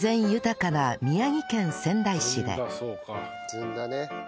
ずんだね。